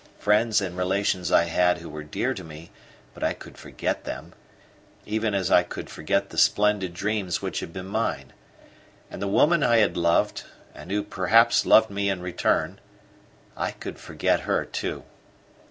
Friends and relations I had who were dear to me; but I could forget them, even as I could forget the splendid dreams which had been mine. And the woman I had loved, and who perhaps loved me in return I could forget her too.